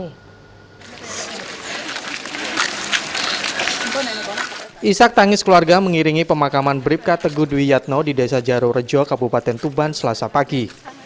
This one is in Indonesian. isak tangis keluarga mengiringi pemakaman bribka teguh dwi yatno di desa jarorejo kabupaten tuban selasa pagi